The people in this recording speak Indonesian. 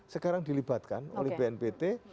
sekarang dilibatkan oleh bnpt